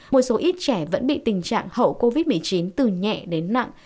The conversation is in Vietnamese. một số ít trẻ vẫn bị tình trạng hậu covid một mươi chín từ nhẹ đến nặng